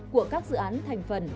của các dự án thành phần